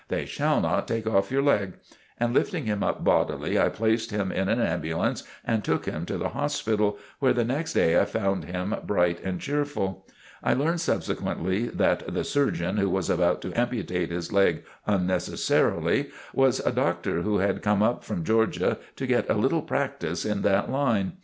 "They shall not take off your leg." And lifting him up bodily, I placed him in an ambulance and took him to the Hospital, where the next day I found him bright and cheerful. I learned subsequently that the "surgeon" who was about to amputate his leg unnecessarily, was a doctor who had come up from Georgia to get a little practice in that line.